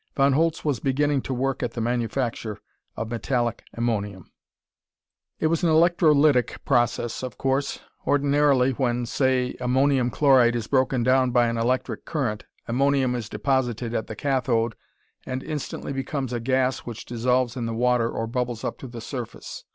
Von Holtz was beginning to work at the manufacture of metallic ammonium. It was an electrolytic process, of course. Ordinarily, when say ammonium chloride is broken down by an electric current, ammonium is deposited at the cathode and instantly becomes a gas which dissolves in the water or bubbles up to the surface.